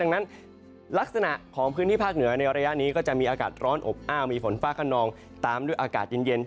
ดังนั้นลักษณะของพื้นที่ภาคเหนือในระยะนี้ก็จะมีอากาศร้อนอบอ้าวมีฝนฟ้าขนองตามด้วยอากาศเย็น